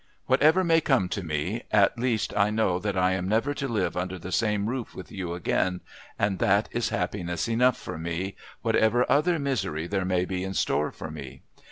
Whatever may come to me, at least I know that I am never to live under the same roof with you again, and that is happiness enough for me, whatever other misery there may be in store for me.